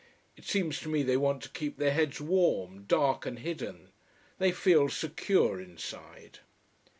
It seems to me they want to keep their heads warm, dark and hidden: they feel secure inside.